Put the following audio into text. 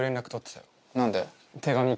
何で？